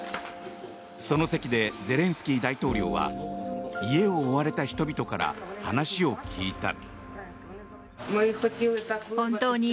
その席でゼレンスキー大統領は家を追われた人々から話を聞いた。